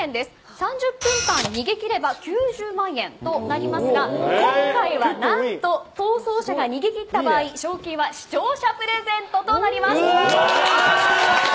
３０分間逃げ切れば９０万となりますが今回は何と、逃走者が逃げ切った場合賞金は視聴者プレゼントとなります。